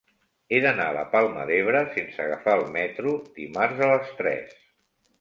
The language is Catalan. He d'anar a la Palma d'Ebre sense agafar el metro dimarts a les tres.